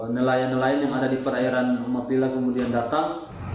nelayan nelayan yang ada di perairan mapila kemudian datang